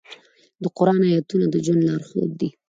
د قرآن آیاتونه د ژوند لارښود دي.